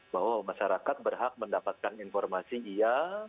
bahwa masyarakat berhak mendapatkan informasi iya